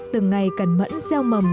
từng ngày cần mẫn gieo mầm